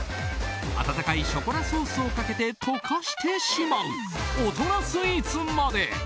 温かいショコラソースをかけて溶かしてしまう大人スイーツまで。